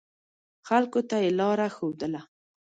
خلکو ته یې لاره ښودله.